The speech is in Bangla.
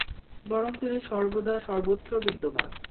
বরং তিনি সর্বদা, সর্বত্র বিদ্যমান।